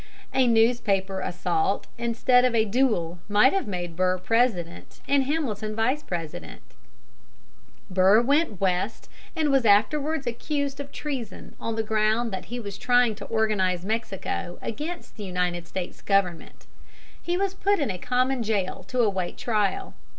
A newspaper assault instead of a duel might have made Burr President and Hamilton Vice President. [Illustration: THE MODERN WAY OF SETTLING DIFFERENCES.] Burr went West, and was afterwards accused of treason on the ground that he was trying to organize Mexico against the United States government. He was put in a common jail to await trial.